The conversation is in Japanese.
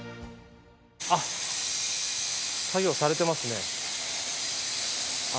あっ作業されてますね。